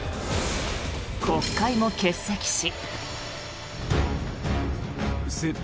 国会も欠席し。